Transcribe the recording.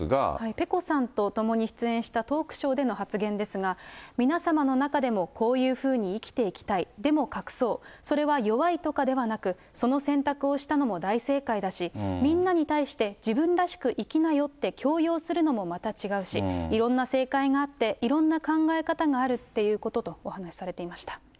ペコさんと共に出演したトークショーでの発言ですが、皆様の中でも、こういうふうに生きていきたい、でも隠そう、それは弱いとかではなく、その選択をしたのも大正解だし、みんなに対して自分らしく生きなよって強要するのもまた違うし、いろんな正解があって、いろんな考え方があるっていうこととお話しされていました。